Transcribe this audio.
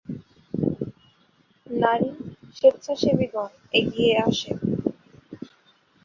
নারী স্বেচ্ছাসেবিকাগণ এগিয়ে আসে।